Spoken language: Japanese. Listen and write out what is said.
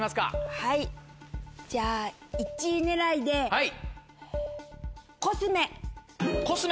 はいじゃあ１位狙いでコスメ。